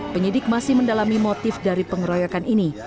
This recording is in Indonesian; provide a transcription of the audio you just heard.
penyidik masih mendalami motif dari pengeroyokan ini